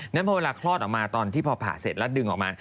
พอเวลาคลอดออกมาตอนที่พอผ่าเสร็จแล้วดึงออกมา